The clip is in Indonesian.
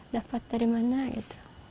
dapat dari mana gitu